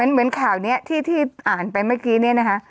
เหมือนข่าวนี้ที่อ่านไปเมื่อกี้เนี่ยนะคะ